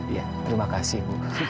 iya terima kasih bu